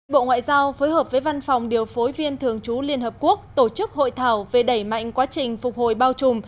bộ ngoại giao phối hợp với văn phòng điều phối viên thường trú liên hợp quốc tổ chức hội thảo về đẩy mạnh quá trình phục hồi bao trùm